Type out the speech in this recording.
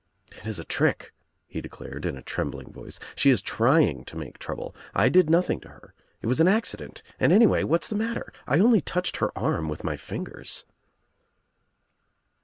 "It is a trick," he declared in a trembling voice. "She is trying to make trouble. I did nothing to her. It was an accident and anyway what's the matter? I only touched her arm with my fingers."